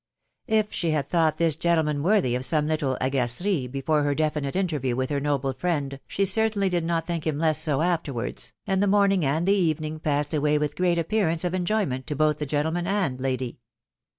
If she had thought this gentleman worthy of some little agaceries before her definitive interview with her noble friend, she certainly did not think him less so afterwards, and the morning and the evening passed away with great appearance of. enjoyment to both the gentleman and lady.